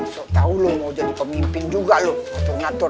tau tau lo mau jadi pemimpin juga lo ngatur ngatur